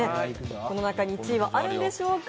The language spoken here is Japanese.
この中に１位はあるんでしょうか。